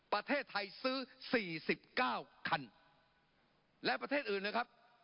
ประเทศไทยซื้อ๔๙คันและประเทศอื่นนะครับ